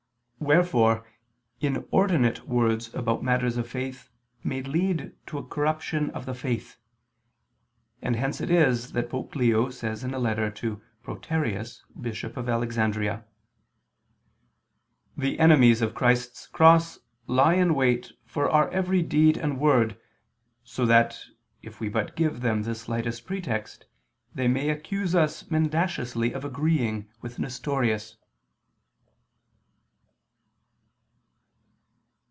Wherefore inordinate words about matters of faith may lead to corruption of the faith; and hence it is that Pope Leo says in a letter to Proterius, Bishop of Alexandria: "The enemies of Christ's cross lie in wait for our every deed and word, so that, if we but give them the slightest pretext, they may accuse us mendaciously of agreeing with Nestorius."